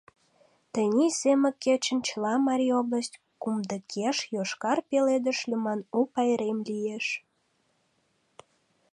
Тений Семык кечын чыла Марий область кумдыкеш «Йошкар пеледыш» лӱман у пайрем лиеш.